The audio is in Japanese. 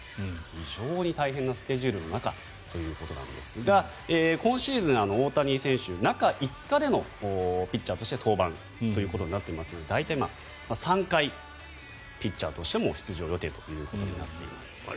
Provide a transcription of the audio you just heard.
非常に大変なスケジュールの中ということですが今シーズン、大谷選手ピッチャーとして中５日での登板ということになっていますが大体３回、ピッチャーとしても出場予定となっています。